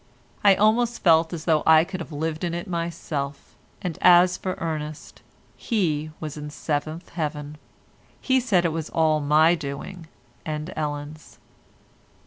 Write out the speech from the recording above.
I almost felt as though I could have lived in it myself, and as for Ernest, he was in the seventh heaven. He said it was all my doing and Ellen's.